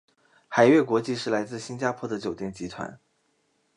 海悦国际是来自新加坡的酒店集团。